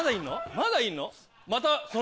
まだいんの？